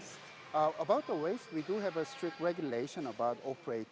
tentang barang kami memiliki regulasi yang ketat